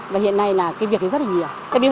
và hiện nay là cái việc đấy rất là nhiều